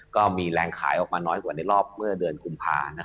ก็มีแรงขายออกมาน้อยกว่าในรอบเมื่อเดือนกุมภา